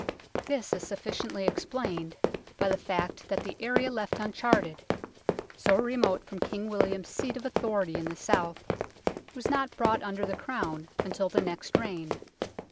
This is suffi ciently explained by the fact that the area left uncharted, so remote from King William's seat of authority in the south, was not brought under the Crown until the next reign.